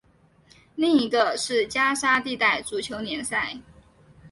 另一个是加沙地带足球联赛。